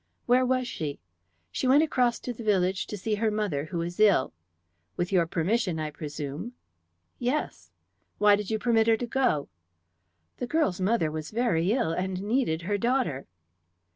"Where was she?" "She went across to the village to see her mother, who is ill." "With your permission, I presume?" "Yes." "Why did you permit her to go?" "The girl's mother was very ill, and needed her daughter."